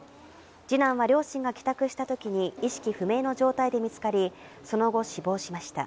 二男は両親が帰宅したときに意識不明の状態で見つかり、その後、死亡しました。